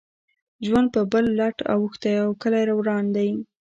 ژوند پر بل لټ اوښتی او کلی وران دی.